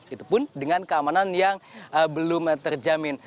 itu pun dengan keamanan yang belum terjamin